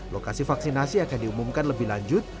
lokasi vaksinasi akan diumumkan lebih lanjut